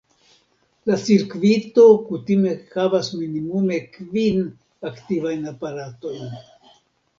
La cirkvito kutime havas minimume kvin aktivajn aparatojn.